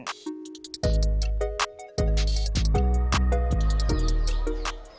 setu cittayam ini merupakan tempat yang sangat berkumpul